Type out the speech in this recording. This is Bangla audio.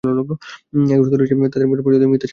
এগুলোতে রয়েছে তাদের মধ্যে প্রচলিত মিথ্যাচারের বর্ণনা।